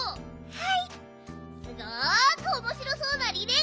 はい！